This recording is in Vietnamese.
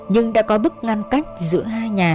nhưng đã có bức ngăn cách giữa hai nhà